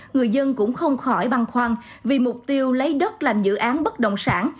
người dân cũng không khỏi băng khoan vì mục tiêu lấy đất làm dự án bất động sản